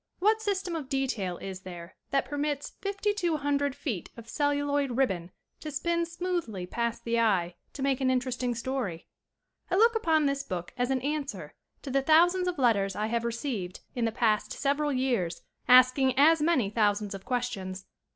What system of detail is there that permits fifty two hundred feet of celluloid ribbon to spin smoothly past the eye to make an interesting story ? I look upon this book as an answer to the thousands of letters I have received in the past several years asking as many thousands of questions.